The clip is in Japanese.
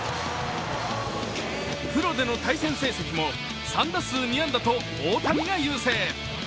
プロでの対戦成績も３打数２安打と大谷が優勢。